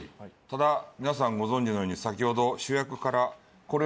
ただ皆さんご存じのように先ほど。